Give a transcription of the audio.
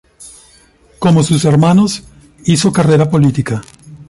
Como sus hermanos, hizo carrera política.